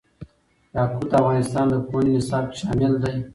یاقوت د افغانستان د پوهنې نصاب کې شامل دي.